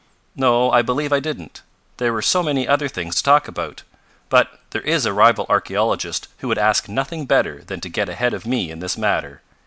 "No, I believe I didn't. There were so many other things to talk about. But there is a rival archaeologist who would ask nothing better than to get ahead of me in this matter.